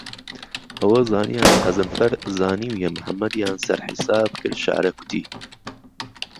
ئهوه زانیان قەزنفهر زانیویه محممەدیان سەر حیساب کرد شەعره کوتی